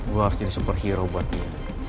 gue harus jadi superhero buat dia